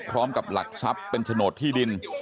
พร้อมกับหลักทรัพย์เป็นโฉนดที่ดิน